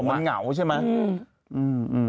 มันเหงาใช่ไหม